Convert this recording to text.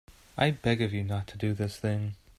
I beg of you not to do this thing.